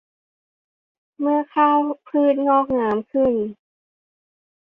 เมื่อข้าวพืชงอกงามขึ้น